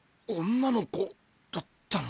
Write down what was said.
女の子だったのか！